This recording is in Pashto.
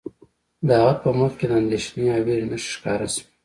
د هغه په مخ کې د اندیښنې او ویرې نښې ښکاره شوې